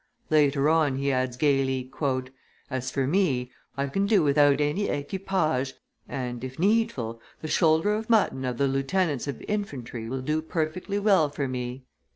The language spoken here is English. Later on, he adds, gayly, "As for me, I can do without any equipage, and, if needful, the shoulder of mutton of the lieutenants of infantry will do perfectly well for me."